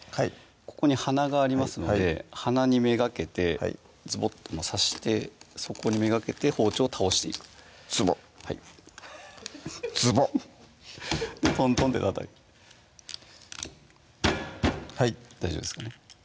ここに鼻がありますので鼻に目がけてズボッと刺してそこに目がけて包丁を倒していくズボッズボットントンってたたいてはい大丈夫ですかね